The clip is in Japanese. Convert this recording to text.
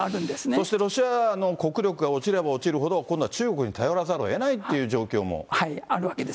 そしてロシアの国力が落ちれば落ちるほど、今度は中国に頼らざるをえないという状況も。